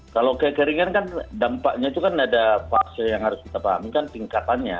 kalau kekeringan kan dampaknya itu kan ada fase yang harus kita pahamkan tingkatannya